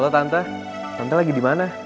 tante tante lagi dimana